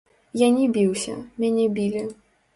Я не біўся, мяне білі.